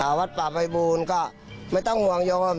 อาวาสป่าไปบูรณ์ก็ไม่ต้องห่วงยม